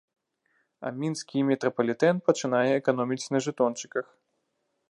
А мінскі метрапалітэн пачынае эканоміць на жэтончыках.